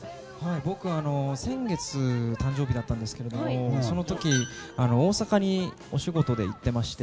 僕は先月誕生日だったんですけどその時、大阪にお仕事で行ってまして。